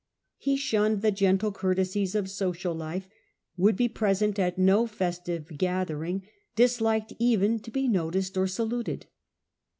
He grew shunned the gentle courtesies of social life, would be present at no festive gathering, disliked even to be noticed or saluted.